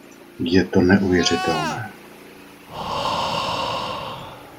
Je to neuvěřitelné.